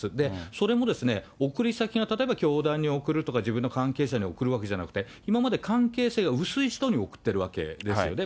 それも送り先が、例えば教団に送るとか、自分の関係者に送るわけじゃなくて、今まで関係性が薄い人に送っているわけですよね。